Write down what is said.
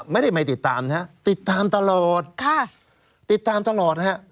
ไม่ได้ไหมติดตามนะฮะติดตามตลอดติดตามตลอดนะฮะ